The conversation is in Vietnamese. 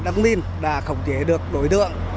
đắc min đã khổng chế được đối tượng